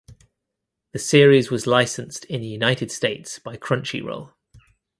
The series was licensed in the United States by Crunchyroll.